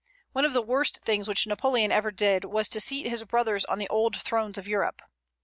One of the worst things which Napoleon ever did was to seat his brothers on the old thrones of Europe.